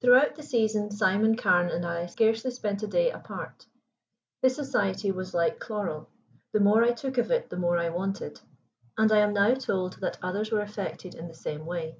Throughout the season Simon Carne and I scarcely spent a day apart. His society was like chloral; the more I took of it the more I wanted. And I am now told that others were affected in the same way.